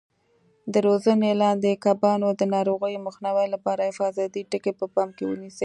د روزنې لاندې کبانو د ناروغیو مخنیوي لپاره حفاظتي ټکي په پام کې ونیسئ.